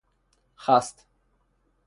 خَست